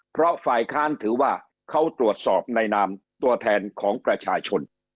เพราะฝ่ายค้านถือว่าเขาตรวจสอบในนามตัวแทนของประชาชน